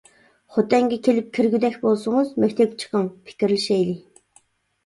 خوتەنگە كېلىپ كىرگۈدەك بولسىڭىز، مەكتەپكە چىقىڭ، پىكىرلىشەيلى.